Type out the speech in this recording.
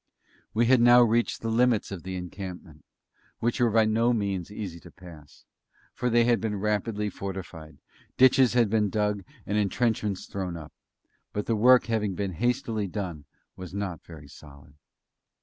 We had now reached the limits of the encampment, which were by no means easy to pass, for they had been rapidly fortified, ditches had been dug, and entrenchments thrown up. But the work having been hastily done was not very solid.